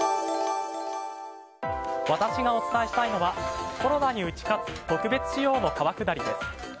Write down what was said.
私がお伝えしたいのはコロナに打ち勝つ特別仕様の川下りです。